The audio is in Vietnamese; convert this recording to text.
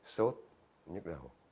sốt nhức đầu